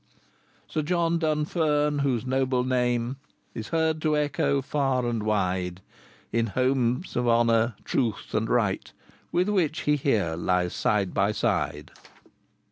IV. Sir John Dunfern, whose noble name Is heard to echo, far and wide, In homes of honour, truth, and right, With which he here lies side by side.